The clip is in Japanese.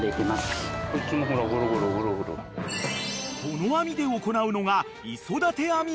［この網で行うのが］